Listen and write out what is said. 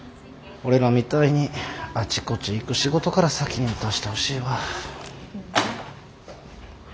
俺らみたいにあちこち行く仕事から先に打たしてほしいわ。